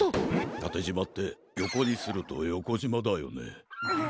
たてじまってよこにするとよこじまだよね。